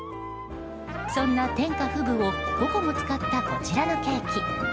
そんな天下富舞を５個も使ったこちらのケーキ